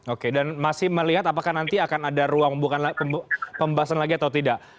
oke dan masih melihat apakah nanti akan ada ruang pembahasan lagi atau tidak